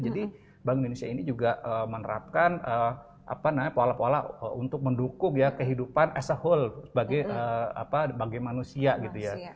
jadi bank indonesia ini juga menerapkan pola pola untuk mendukung kehidupan as a whole sebagai manusia gitu ya